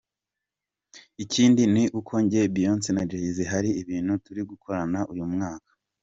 Ikindi ni uko njye, Beyoncé na Jay Z hari ibintu turi gukorana uyu mwaka.